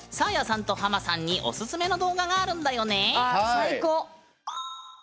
最高！